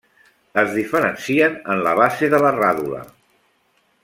Es diferencien en la base de la ràdula.